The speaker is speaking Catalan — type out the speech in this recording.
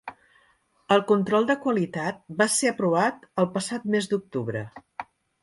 El control de qualitat va ser aprovat el passat mes d'octubre.